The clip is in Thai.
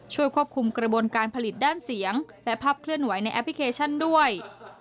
ช่วยควบคุมกระบวนการผลิตด้านเสียงและภาพเคลื่อนไหวในแอปพลิเคชันด้วย